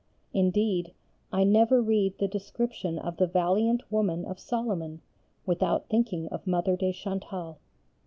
Indeed, I never read the description of the valiant woman of Solomon without thinking of Mother de Chantal.